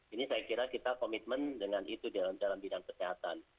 ini saya kira kita komitmen dengan itu dalam bidang kesehatan